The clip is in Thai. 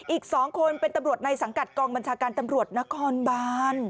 อีก๒คนเป็นตำรวจในสังกัดกองบัญชาการตำรวจนครบาน